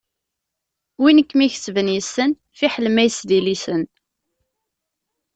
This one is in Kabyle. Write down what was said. Win i kem-ikesben yessen, fiḥel ma yessed ilisen.